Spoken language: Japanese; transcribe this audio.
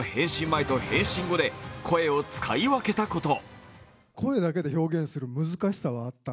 前と変身後で声を使い分けたこと。